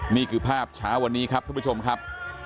นี่คือภาพเช้าวันนี้ครับท่านผู้ชมครับ